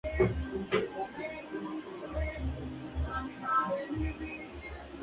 Está localizada en Porto Alegre, capital del estado del Rio Grande do Sul.